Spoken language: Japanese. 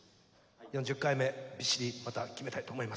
４０回目びっしりまた決めたいと思います。